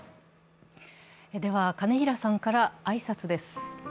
金平さんから挨拶です。